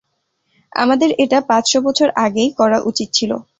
আমাদের এটা পাঁচশ বছর আগেই করা উচিত ছিল।